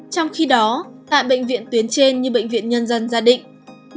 trong khi đó tại bệnh viện tuyến trên như bệnh viện nhân dân gia định